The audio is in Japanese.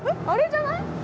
あれじゃない？